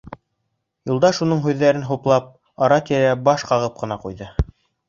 Юлдаш, уның һүҙен хуплап, ара-тирә баш ҡағып ҡына ҡуйҙы.